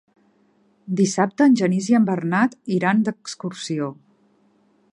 Dissabte en Genís i en Bernat iran d'excursió.